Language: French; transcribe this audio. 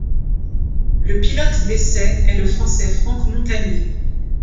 Le pilote d'essais est le Français Franck Montagny.